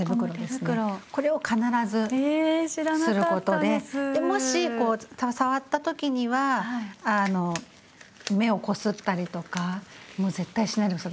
でもし触った時には目をこすったりとかもう絶対しないで下さい。